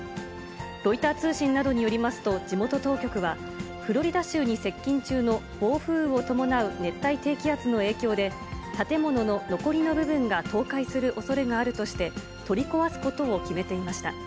ロイター通信などによりますと、地元当局は、フロリダ州に接近中の暴風を伴う熱帯低気圧の影響で、建物の残りの部分が倒壊するおそれがあるとして、取り壊すことを決めていました。